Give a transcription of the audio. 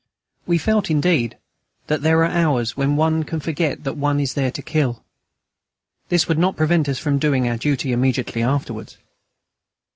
We felt indeed that there are hours when one can forget that one is there to kill. This would not prevent us from doing our duty immediately afterwards.